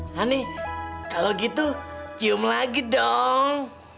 hani kalau gitu cium lagi dong